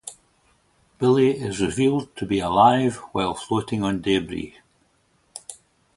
Billy is revealed to be alive while floating on debris.